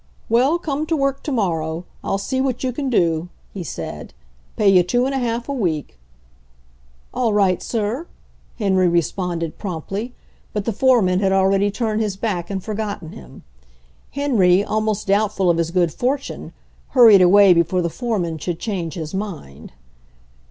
"Well, come to work to morrow. I'll see what you can do," he said. "Pay you two and a half a week." "All right, sir," Henry responded promptly, but the foreman had already turned his back and forgotten him. Henry, almost doubtful of his good fortune, hurried away before the foreman should change his mind.